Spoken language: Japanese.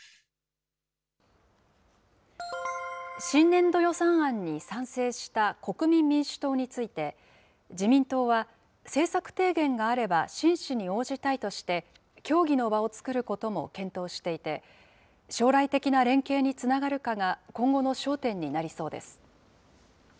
新年度予算案に賛成した国民民主党について、自民党は政策提言があれば真摯に応じたいとして、協議の場を作ることも検討していて、将来的な連携につながるかが今後の焦点になりそうです。